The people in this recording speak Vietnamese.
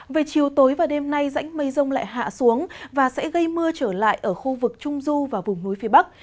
về chiều tối và đêm nay rãnh mây rông lại hạ xuống và sẽ gây mưa trở lại ở khu vực trung du và vùng núi phía bắc